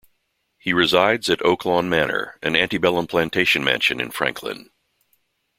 He resides at Oaklawn Manor, an antebellum plantation mansion in Franklin.